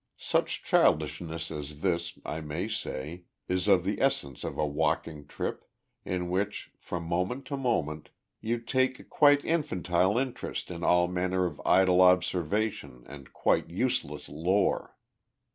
Such childishness as this, I may say, is of the essence of a walking trip, in which, from moment to moment, you take quite infantile interest in all manner of idle observation and quite useless lore.